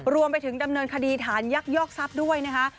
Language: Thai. รวมไปถึงดำเนินคดีฐานยักยอกทรัพย์ด้วยนะคะ